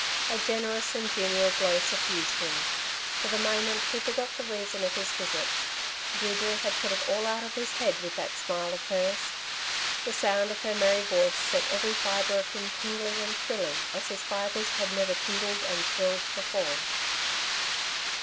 A generous and genial glow suffused him. For the moment he forgot the reason of his visit. Deirdre had put it all out of his head with that smile of hers. The sound of her merry voice set every fibre of him tingling and thrilling as his fibres had never tingled and thrilled before.